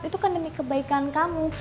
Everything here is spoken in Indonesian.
itu kan demi kebaikan kamu